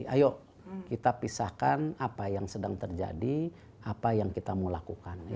ayo kita pisahkan apa yang sedang terjadi apa yang kita mau lakukan